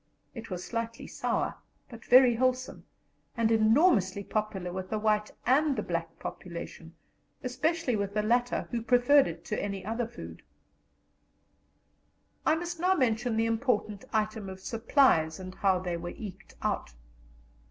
It was slightly sour, but very wholesome, and enormously popular with the white and the black population, especially with the latter, who preferred it to any other food. I must now mention the important item of supplies and how they were eked out.